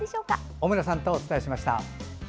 小村さんとお伝えしました。